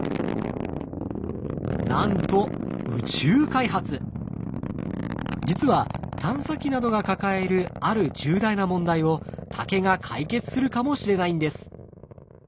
なんと実は探査機などが抱えるある重大な問題を竹が解決するかもしれないんです。